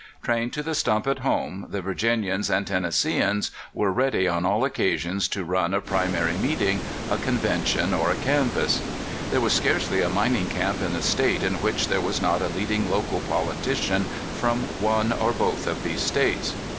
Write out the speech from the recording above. Trained to the stump at home, the Virginians and Tennesseeans were ready on all occasions to run a primary meeting, a convention, or a canvass. There was scarcely a mining camp in the State in which there was not a leading local politician from one or both of these States.